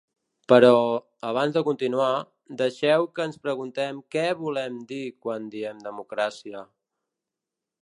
Però, abans de continuar, deixeu que ens preguntem què volem dir quan diem democràcia.